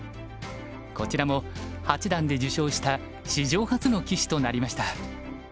こちらも八段で受賞した史上初の棋士となりました。